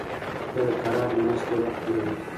دا د قرارې ناستې وخت نه دی